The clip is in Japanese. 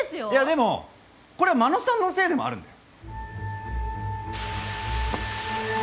でもこれは真野さんのせいでもあるんだよ。